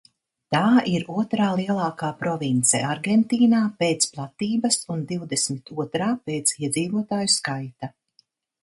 Tā ir otrā lielākā province Argentīnā pēc platības un divdesmit otrā pēc iedzīvotāju skaita.